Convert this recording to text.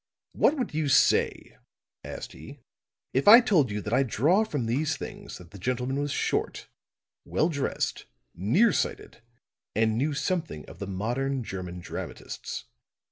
"What would you say," asked he, "if I told you that I draw from these things that the gentleman was short, well dressed, near sighted and knew something of the modern German dramatists."